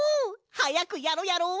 はやくやろやろ！